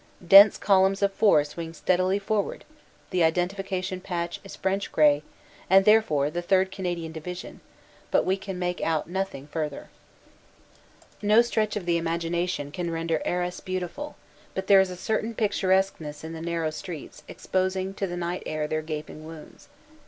Dense columns of four swing steadily forward the identification patch is French grey, and therefore the 3rd. Canadian Division, but we can make out nothing further. No stretch of the imagination can render Arras beautiful; but there is a certain picturesqueness in the narrow streets exposing to the night their gaping wounds.